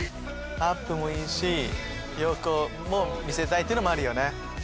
アップもいいし横も見せたいってのもあるよね。